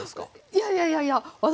いやいやいやいや私はあの。